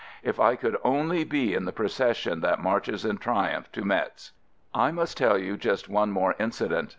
If I could only be in the procession that marches in triumph to Metz! I must tell you just one more incident.